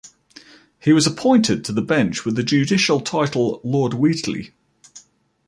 He was appointed to the bench, with the judicial title Lord Wheatley.